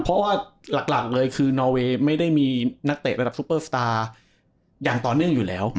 เพราะว่าหลักเลยคือนอเวย์ไม่ได้มีนักเตะระดับซุปเปอร์สตาร์อย่างต่อเนื่องอยู่แล้ว